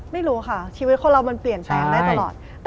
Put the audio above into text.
ไม่รู้ค่ะชีวิตคนเรามันเปลี่ยนแปลงได้ตลอด